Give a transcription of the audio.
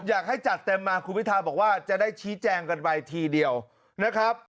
จัดเต็มมาคุณพิทาบอกว่าจะได้ชี้แจงกันไปทีเดียวนะครับ